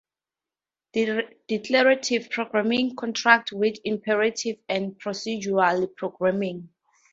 Declarative programming contrasts with imperative and procedural programming.